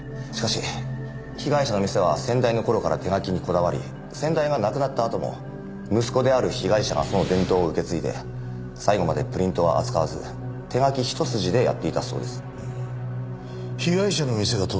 しかし被害者の店は先代の頃から手描きにこだわり先代が亡くなったあとも息子である被害者がその伝統を受け継いで最後までプリントは扱わず手描き一筋でやっていたそうです。